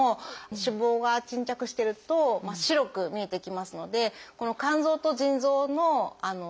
脂肪が沈着してると白く見えてきますので肝臓と腎臓の色調が違う。